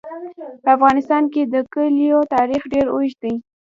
په افغانستان کې د کلیو تاریخ ډېر اوږد دی.